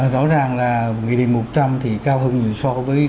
rõ ràng là nghị định một trăm linh thì cao hơn so với